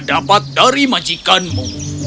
dia dapat dari majikanmu